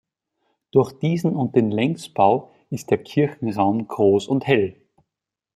Durch diesen und den Längsbau ist der Kirchenraum groß und hell.